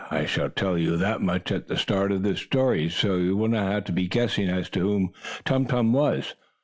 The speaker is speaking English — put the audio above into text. I shall tell you that much at the start of this story, so you will not have to be guessing as to who Tum Tum was.